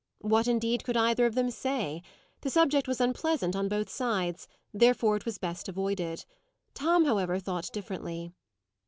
What, indeed, could either of them say? The subject was unpleasant on both sides; therefore it was best avoided. Tom, however, thought differently.